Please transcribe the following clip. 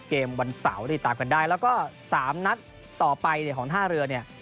วันเสาร์ติดตามกันได้แล้วก็๓นัดต่อไปเนี่ยของท่าเรือเนี่ย